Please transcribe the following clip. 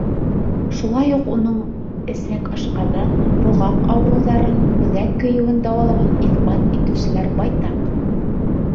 Шулай уҡ уның эсәк-ашҡаҙан, боғаҡ ауырыуҙарын, үҙәк көйөүен дауалауын иҫбат итеүселәр байтаҡ.